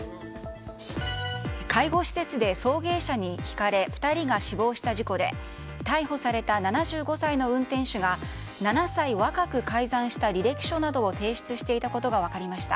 介護施設で送迎車にひかれ２人が死亡した事故で逮捕された７５歳の運転手が７歳若く改ざんした履歴書などを提出していたことが分かりました。